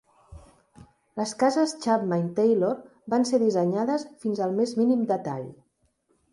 Les cases Chapman-Taylor van ser dissenyades fins al més mínim detall.